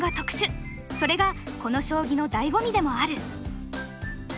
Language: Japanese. それがこの将棋のだいご味でもある。